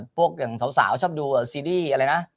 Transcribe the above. พวกสาวชอบดูซีรีส์